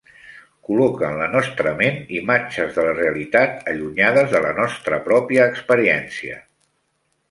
Col·loca en la nostra ment imatges de la realitat allunyades de la nostra pròpia experiència.